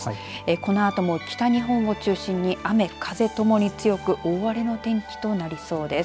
このあとも北日本を中心に雨、風ともに強く大荒れの天気となりそうです。